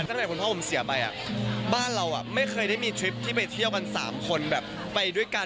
ตั้งแต่คุณพ่อผมเสียไปบ้านเราไม่เคยได้มีทริปที่ไปเที่ยวกัน๓คนแบบไปด้วยกัน